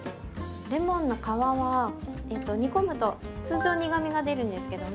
レモンの皮は煮込むと通常苦みが出るんですけども。